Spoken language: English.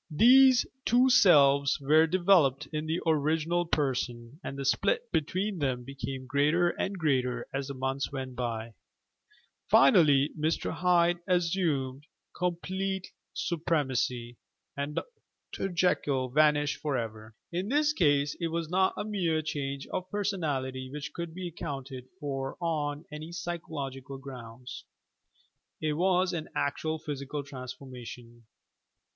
These two selves were developed in the original person, and the split between them became greater and greater as the months went by. Finally Mr. Hyde assumed complete supremacy and Dr. Jekyll vanished for ever! In this case it was not a mere change of personality which could be accounted for on any psychological grounds; it was an actual physical transformation.